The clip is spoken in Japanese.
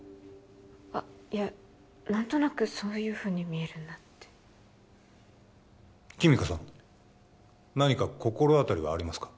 あっいえ何となくそういうふうに見えるなって君香さん何か心当たりはありますか？